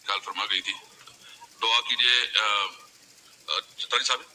غم بیان کرنا میری فطرت میں نہیں